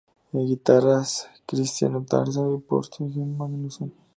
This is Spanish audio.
Guitarras: Guðlaugur Kristinn Óttarsson y Þorsteinn Magnússon.